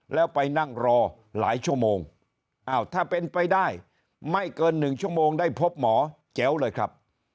แล้วไปนั่งรอหลายชถ้าเป็นไปได้ไม่เกิน๑ชได้พบหมอเจ๋วเลยครับ